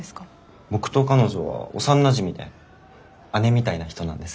僕と彼女は幼なじみで姉みたいな人なんです。